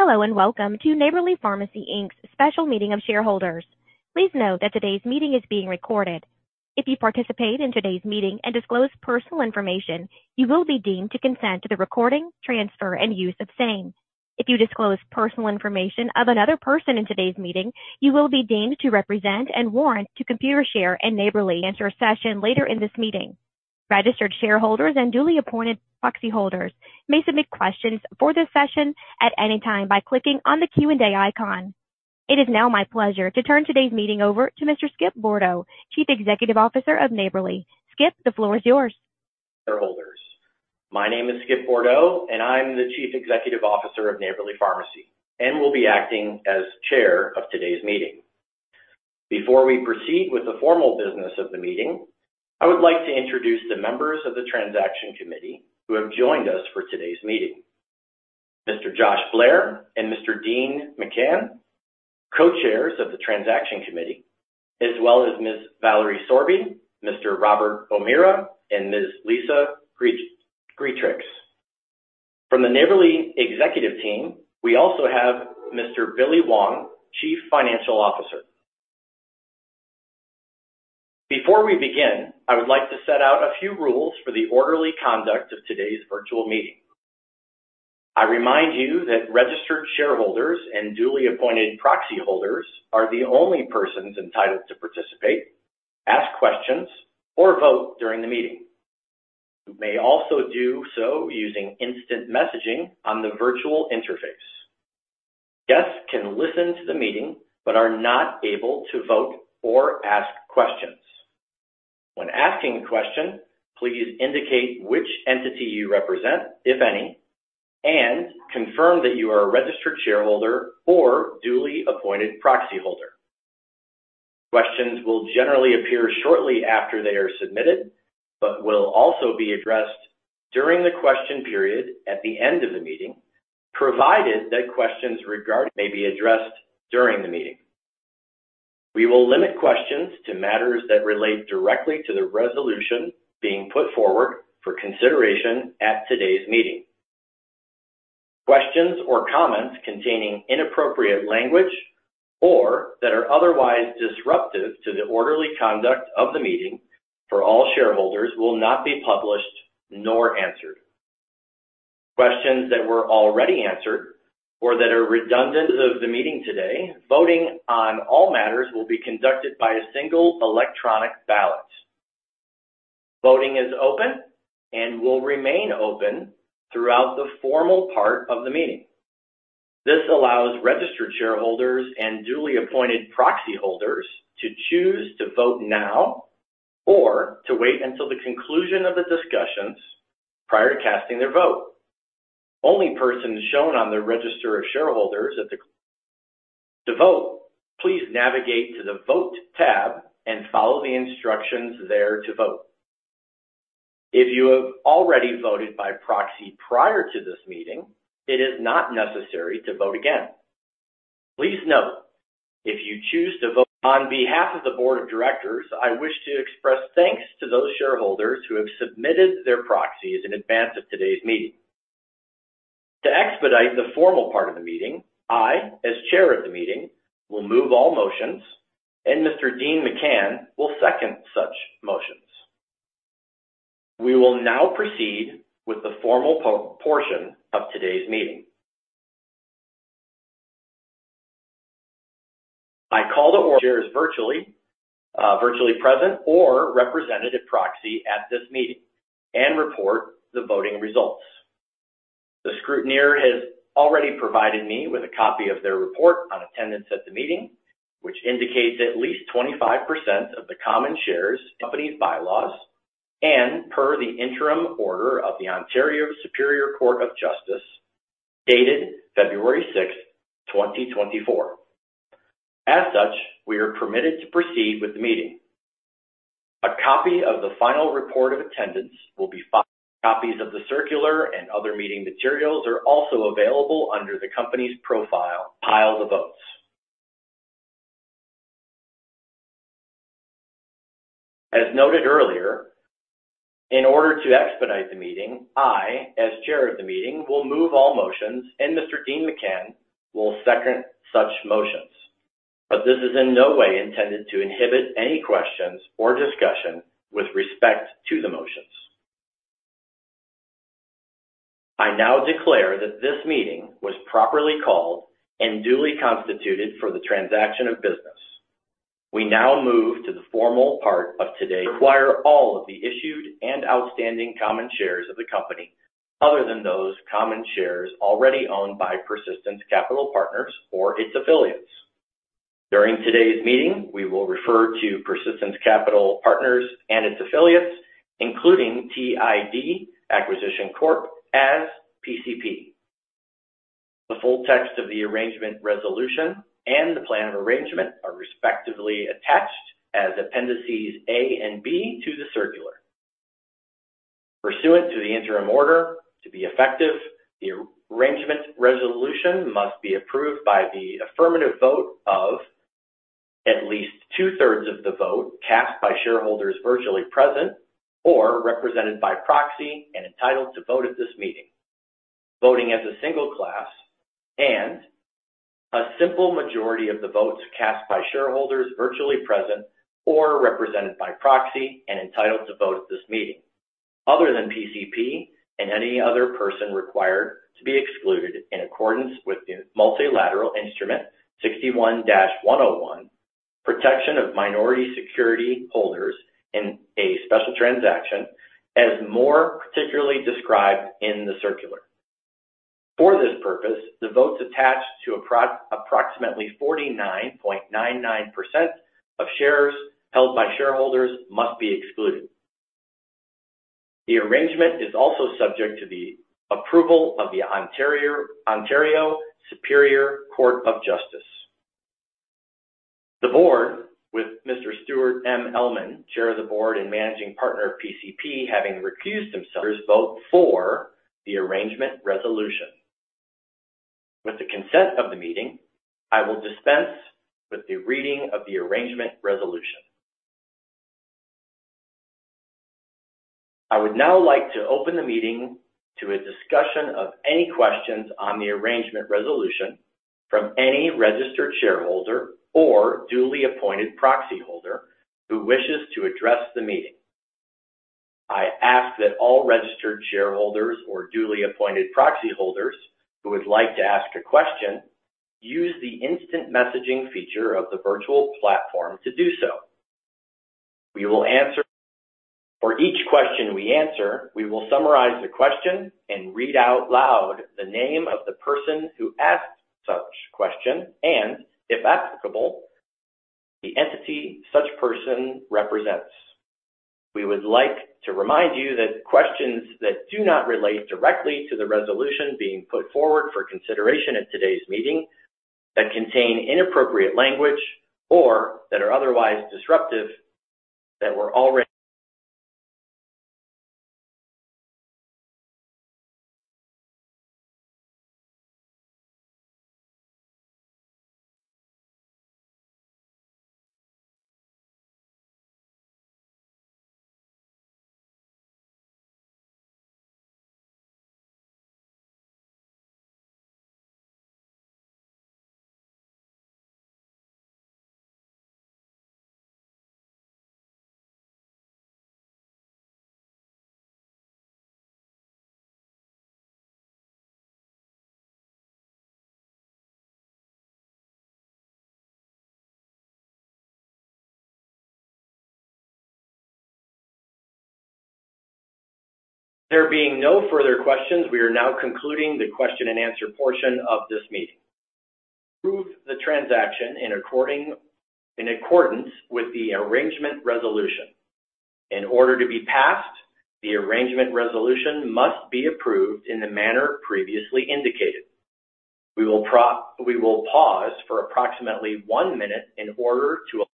Hello, welcome to Neighbourly Pharmacy Inc.'s special meeting of shareholders. Please note that today's meeting is being recorded. If you participate in today's meeting and disclose personal information, you will be deemed to consent to the recording, transfer, and use of same. If you disclose personal information of another person in today's meeting, you will be deemed to represent and warrant to Computershare and Neighbourly. session later in this meeting. Registered shareholders and duly appointed proxy holders may submit questions for this session at any time by clicking on the Q&A icon. It is now my pleasure to turn today's meeting over to Mr. Skip Bourdo, Chief Executive Officer of Neighbourly. Skip, the floor is yours. Shareholders. My name is Skip Bourdo, and I'm the Chief Executive Officer of Neighbourly Pharmacy, and will be acting as Chair of today's meeting. Before we proceed with the formal business of the meeting, I would like to introduce the members of the transaction committee who have joined us for today's meeting. Mr. Josh Blair and Mr. Dean McCann, Co-Chairs of the Transaction Committee, as well as Ms. Valerie Sorbie, Mr. Robert O'Meara, and Ms. Lisa Greatrix. From the Neighbourly executive team, we also have Mr. Billy Wong, Chief Financial Officer. Before we begin, I would like to set out a few rules for the orderly conduct of today's virtual meeting. I remind you that registered shareholders and duly appointed proxy holders are the only persons entitled to participate, ask questions or vote during the meeting. You may also do so using instant messaging on the virtual interface. Guests can listen to the meeting, but are not able to vote or ask questions. When asking a question, please indicate which entity you represent, if any, and confirm that you are a registered shareholder or duly appointed proxy holder. Questions will generally appear shortly after they are submitted, but will also be addressed during the question period at the end of the meeting, provided that questions regarding may be addressed during the meeting. We will limit questions to matters that relate directly to the resolution being put forward for consideration at today's meeting. Questions or comments containing inappropriate language or that are otherwise disruptive to the orderly conduct of the meeting for all shareholders will not be published nor answered. Questions that were already answered or that are redundant of the meeting today, voting on all matters will be conducted by a single electronic ballot. Voting is open and will remain open throughout the formal part of the meeting. This allows registered shareholders and duly appointed proxy holders to choose to vote now or to wait until the conclusion of the discussions prior to casting their vote. Only persons shown on the register of shareholders at the to vote. Please navigate to the Vote tab and follow the instructions there to vote. If you have already voted by proxy prior to this meeting, it is not necessary to vote again. Please note, if you choose to vote on behalf of the board of directors, I wish to express thanks to those shareholders who have submitted their proxies in advance of today's meeting. To expedite the formal part of the meeting, I, as Chair of the meeting, will move all motions, and Mr. Dean McCann will second such motions. We will now proceed with the formal portion of today's meeting. I call the virtually present or representative proxy at this meeting and report the voting results. The scrutineer has already provided me with a copy of their report on attendance at the meeting, which indicates at least 25% of the common shares, Company's bylaws, and per the interim order of the Ontario Superior Court of Justice dated February 6, 2024. As such, we are permitted to proceed with the meeting. A copy of the final report of attendance will be copies of the circular and other meeting materials are also available under the company's profile the votes. As noted earlier, in order to expedite the meeting, I, as Chair of the meeting, will move all motions, and Mr. Dean McCann will second such motions. This is in no way intended to inhibit any questions or discussion with respect to the motions. I now declare that this meeting was properly called and duly constituted for the transaction of business. We now move to the formal part of today. Require all of the issued and outstanding common shares of the company other than those common shares already owned by Persistence Capital Partners or its affiliates. During today's meeting, we will refer to Persistence Capital Partners and its affiliates, including T.I.D. Acquisition Corp., as PCP. The full text of the arrangement resolution and the plan of arrangement are respectively attached as appendices A and B to the circular. Pursuant to the interim order, to be effective, the arrangement resolution must be approved by the affirmative vote of at least 2/3 of the vote cast by shareholders virtually present or represented by proxy and entitled to vote at this meeting, voting as a single class, and a simple majority of the votes cast by shareholders virtually present or represented by proxy and entitled to vote at this meeting other than PCP and any other person required to be excluded in accordance with the Multilateral Instrument 61-101, Protection of Minority Security Holders in a Special Transaction as more particularly described in the circular. For this purpose, the votes attached to approximately 49.99% of shares held by shareholders must be excluded. The arrangement is also subject to the approval of the Ontario Superior Court of Justice. The Board, with Mr. Stuart M. Elman, Chair of the Board and Managing Partner of PCP, having recused himself, vote for the arrangement resolution. With the consent of the meeting, I will dispense with the reading of the arrangement resolution. I would now like to open the meeting to a discussion of any questions on the arrangement resolution from any registered shareholder or duly appointed proxyholder who wishes to address the meeting. I ask that all registered shareholders or duly appointed proxyholders who would like to ask a question use the instant messaging feature of the virtual platform to do so. We will answer, for each question we answer, we will summarize the question and read out loud the name of the person who asked such question and, if applicable, the entity such person represents. We would like to remind you that questions that do not relate directly to the resolution being put forward for consideration at today's meeting, that contain inappropriate language, or that are otherwise disruptive. There being no further questions, we are now concluding the question and answer portion of this meeting. Approve the transaction in accordance with the arrangement resolution. In order to be passed, the arrangement resolution must be approved in the manner previously indicated. We will pause for approximately one minute in order to—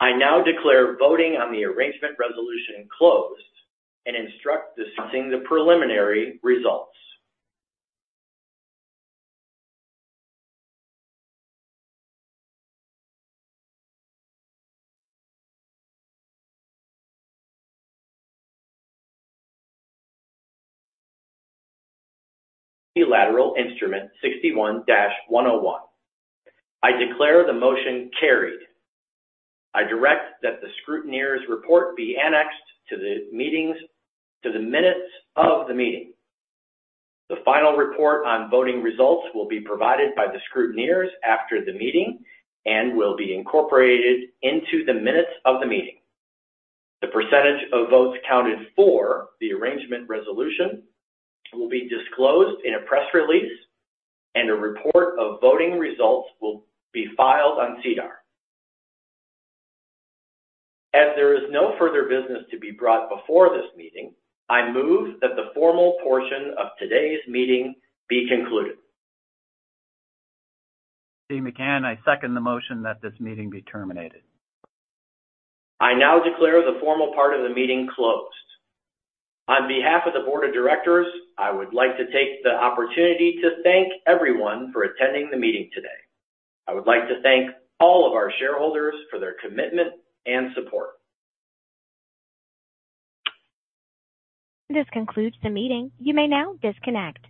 I now declare voting on the arrangement resolution closed and instruct discussing the preliminary results. Multilateral Instrument 61-101. I declare the motion carried. I direct that the scrutineers report be annexed to the minutes of the meeting. The final report on voting results will be provided by the scrutineers after the meeting and will be incorporated into the minutes of the meeting. The percentage of votes counted for the arrangement resolution will be disclosed in a press release, and a report of voting results will be filed on SEDAR. As there is no further business to be brought before this meeting, I move that the formal portion of today's meeting be concluded. Dean McCann. I second the motion that this meeting be terminated. I now declare the formal part of the meeting closed. On behalf of the board of directors, I would like to take the opportunity to thank everyone for attending the meeting today. I would like to thank all of our shareholders for their commitment and support. This concludes the meeting. You may now disconnect.